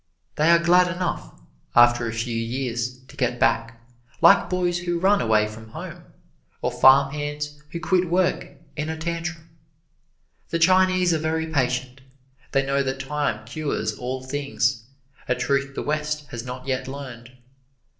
They are glad enough, after a few years, to get back, like boys who run away from home, or farmhands who quit work in a tantrum. The Chinese are very patient they know that time cures all things, a truth the West has not yet learned.